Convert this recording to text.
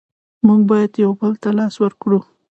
مونږ باید یو بل ته لاس ورکړو.